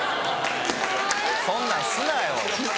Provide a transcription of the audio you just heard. そんなんすなよ